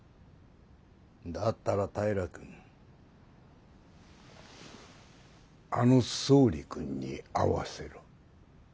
だったら平君あの総理君に会わせろ。